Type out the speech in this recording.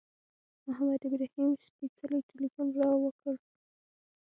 محمد ابراهیم سپېڅلي تیلفون را وکړ.